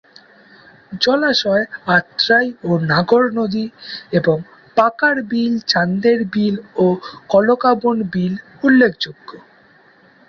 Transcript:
জলাশয় আত্রাই ও নাগর নদী এবং পাকার বিল, চান্দের বিল ও কাকলাবন বিল উল্লেখযোগ্য।